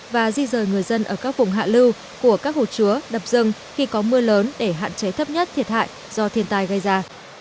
và di rời người dân ở các vùng hạ lưu của các hồ chứa đập rừng khi có mưa lớn để hạn chế thấp nhất thiệt hại do thiên tai gây ra